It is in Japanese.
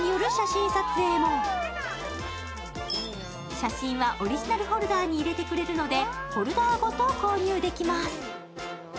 写真はオリジナルホルダーに入れてくれるので、ホルダーごと購入できます。